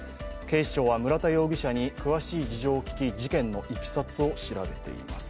警視庁は村田容疑者に詳しい事情を聴き、事件のいきさつを調べています。